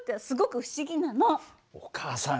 お母さん